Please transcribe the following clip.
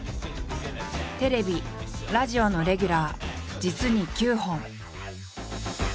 テレビラジオのレギュラー実に９本。